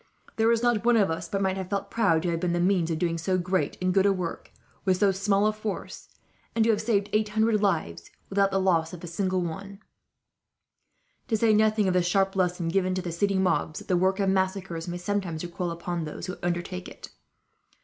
There is not one of us but might have felt proud to have been the means of doing so great and good a work, with so small a force; and to have saved eight hundred lives, without the loss of a single one; to say nothing of the sharp lesson given to the city mobs, that the work of massacre may sometimes recoil upon those who undertake it.